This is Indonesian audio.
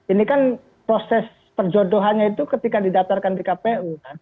ini kan proses perjodohannya itu ketika didatarkan di kpu kan